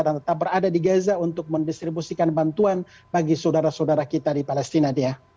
dan tetap berada di gaza untuk mendistribusikan bantuan bagi saudara saudara kita di palestina